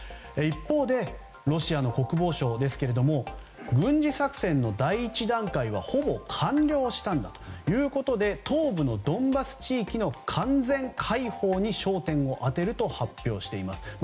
一方でロシアの国防省は軍事作戦の第１段階はほぼ完了したんだということで東部のドンバス地域の完全解放に焦点を当てると発表しています。